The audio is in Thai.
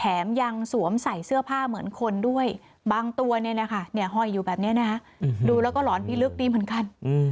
แถมยังสวมใส่เชื่อผ้าเหมือนคนด้วยบางตัวเนี่ยนะคะถอยอยู่แบบนี้นะดูแล้วก็หลอนพิฤกษ์ดีเหมือนกัน